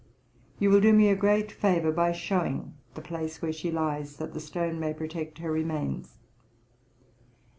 'You will do me a great favour by showing the place where she lies, that the stone may protect her remains.